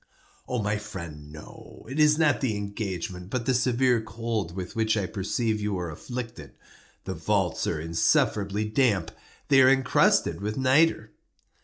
"My friend, no. It is not the engagement, but the severe cold with which I perceive you are afflicted. The vaults are insufferably damp. They are encrusted with nitre."